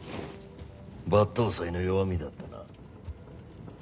抜刀斎の弱みだったな。